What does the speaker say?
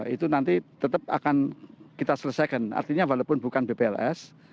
itu nanti tetap akan kita selesaikan artinya walaupun bukan bpls